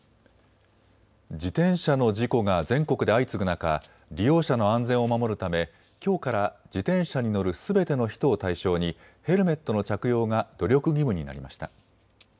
自転車の事故が全国で相次ぐ中、利用者の安全を守るためきょうから自転車に乗るすべての人を対象にヘルメットの着用が努力義務になりました。